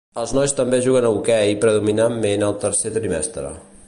Els nois també juguen a hoquei predominantment al tercer trimestre.